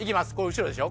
後ろでしょ。